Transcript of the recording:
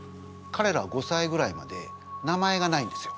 かれらは５さいぐらいまで名前がないんですよ。